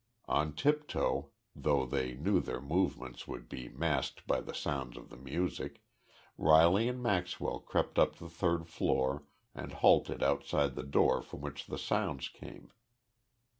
On tiptoe, though they knew their movements would be masked by the sounds of the music, Riley and Maxwell crept up to the third floor and halted outside the door from which the sounds came.